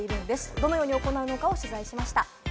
どのように行うのか取材しました。